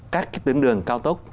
các cái tuyến đường cao tốc